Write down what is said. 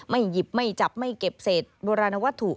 หยิบไม่จับไม่เก็บเศษโบราณวัตถุ